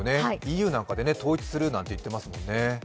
ＥＵなんかで統一すると言っていますよね。